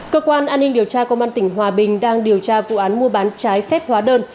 cơ quan an ninh điều tra công an tỉnh hòa bình đang điều tra vụ án mua bán trái phép hóa đơn